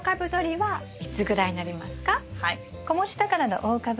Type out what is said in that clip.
はい。